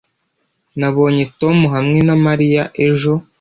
Nabonye Tom hamwe na Mariya ejo